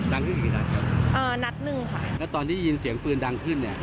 กี่นัดครับเอ่อนัดหนึ่งค่ะแล้วตอนได้ยินเสียงปืนดังขึ้นเนี่ย